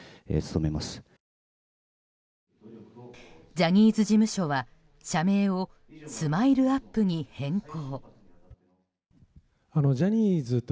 ジャニーズ事務所は社名をＳＭＩＬＥ‐ＵＰ．に変更。